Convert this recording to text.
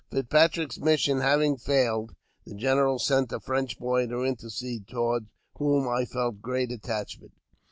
Fitzpatrick's mission having failed, the general sent a French boy to intercede, toward whom I felt great attachment.